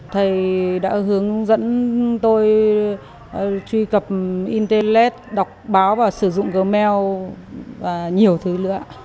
thầy đã hướng dẫn tôi truy cập internet đọc báo và sử dụng gmail và nhiều thứ nữa